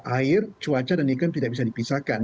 air cuaca dan ikan tidak bisa dipisahkan